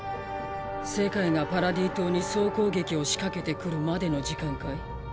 世界がパラディ島に総攻撃を仕掛けてくるまでの時間かい？